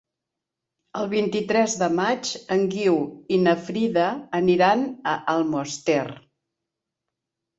El vint-i-tres de maig en Guiu i na Frida aniran a Almoster.